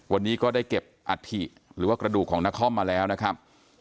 วันนี้ก็ได้เก็บอัฐิหรือว่ากระดูกของนครมาแล้วนะครับ